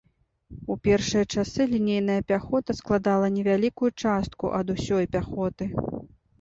У першыя часы лінейная пяхота складала невялікую частку ад усёй пяхоты.